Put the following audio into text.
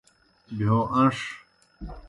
بہیو اَن٘ݜ۔